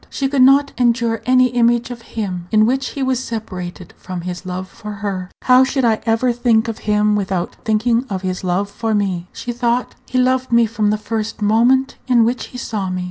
She could not endure any image of him in which he was separated from his love for her. "How should I ever think of him without thinking of his love for me?" she thought. "He loved me from the first moment in which he saw me.